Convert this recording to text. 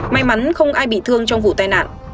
may mắn không ai bị thương trong vụ tai nạn